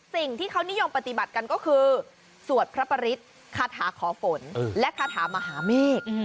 สิ่งที่เขานิยมปฏิบัติกันก็คือสวดพระปริศคาถาขอฝนและคาถามหาเมฆ